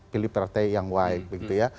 pilih partai yang y